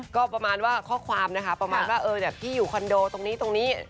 ก็ประมาณว่าข้อความนะคะประมาณว่าพี่อยู่คอนโดตรงนี้ตรงนี้